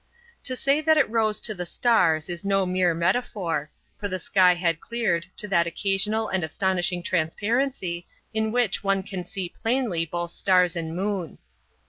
To say that it rose to the stars is no mere metaphor, for the sky had cleared to that occasional and astonishing transparency in which one can see plainly both stars and moon.